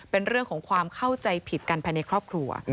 เป็นเรื่องของความเข้าใจผิดกันภายในครอบครัว